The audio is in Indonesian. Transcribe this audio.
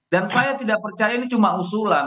dan saya tidak percaya ini cuma usulan